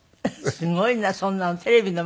すごいなそんなの。